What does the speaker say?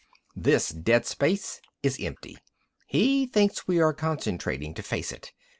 This dead space is empty. He thinks we are concentrating to face it.